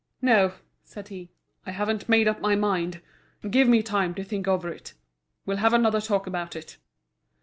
"No," said he, "I haven't made up my mind; give me time to think over it. We'll have another talk about it."